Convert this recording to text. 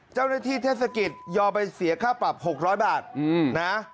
เจ้าหน้าที่เทศกิจยอมไปเสียค่าปรับ๖๐๐บาทนะ